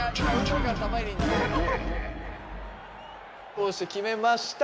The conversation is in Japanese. こうして決めました。